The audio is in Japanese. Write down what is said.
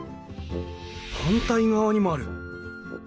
反対側にもある。